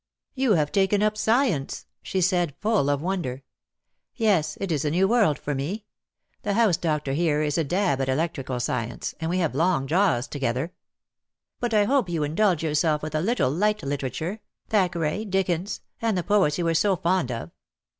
"You have taken up science!" she said, full of wonder. "Yes, it is a new world for me. The house DEAD LOVE HAS CHAINS. QQ doctor here is a dab at electrical science — and we have long jaws together." "But I hope you mdulge yourself with a little light literature, Thackeray, Dickens, and the poets you were so fond of."